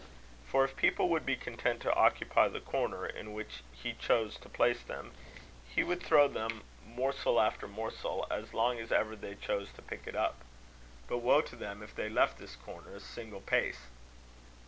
For if people would be content to occupy the corner in which he chose to place them, he would throw them morsel after morsel, as long as ever they chose to pick it up. But woe to them if they left this corner a single pace!